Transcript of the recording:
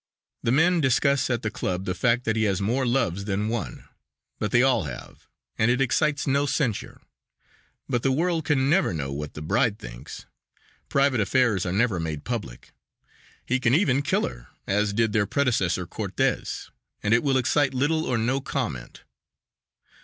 The men discuss at the club the fact that he has more loves than one, but they all have, and it excites no censure. But the world can never know what the bride thinks; private affairs are never made public. He can even kill her, as did their predecessor Cortes, and it will excite little or no comment.